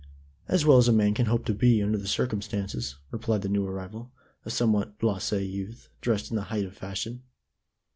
"As well as a man can hope to be under the circumstances," replied the new arrival, a somewhat blasé youth, dressed in the height of fashion.